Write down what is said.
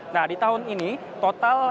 nah di tahun ini total